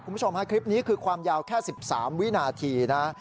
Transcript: คุณผู้ชมฮะคลิปนี้คือความยาวแค่๑๓วินาทีนะ